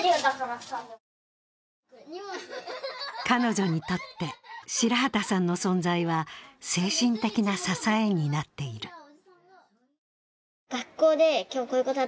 彼女にとって白旗さんの存在は精神的な支えになっている。